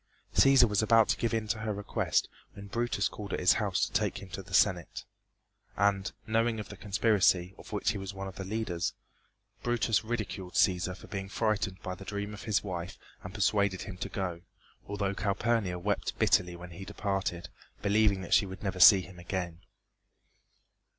Cæsar was about to give in to her request when Brutus called at his house to take him to the Senate, and, knowing of the conspiracy, of which he was one of the leaders, Brutus ridiculed Cæsar for being frightened by the dream of his wife and persuaded him to go, although Calpurnia wept bitterly when he departed, believing that she would never see him again.